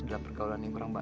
ada pergaulan yang kurang baik